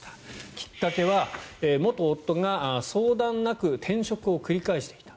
きっかけは元夫が相談なく転職を繰り返していた。